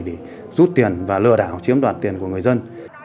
để rút tiền và lừa đảo chiếm đoạt tiền của người dân